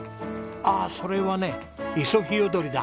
ああそれはねイソヒヨドリだ。